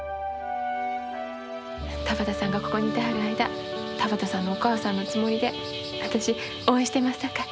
田畑さんがここにいてはる間田畑さんのお母さんのつもりで私応援してますさかい。